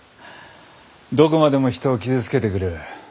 どこまでも人を傷つけてくる。